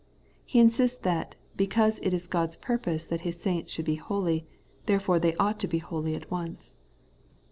He insists that, because it is God's purpose that His saints should be holy, therefore they ought to be holy at once.